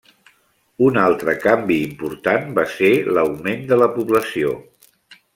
Un altre canvi important va ser l'augment de la població.